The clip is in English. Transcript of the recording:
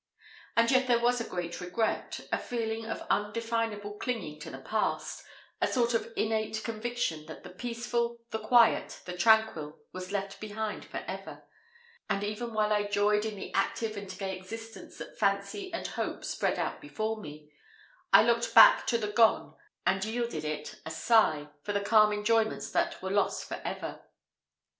And yet there was a regret a feeling of undefinable clinging to the past a sort of innate conviction that the peaceful, the quiet, the tranquil, was left behind for ever; and even while I joyed in the active and gay existence that Fancy and Hope spread out before me, I looked back to the gone, and yielded it a sigh, for the calm enjoyments that were lost for ever.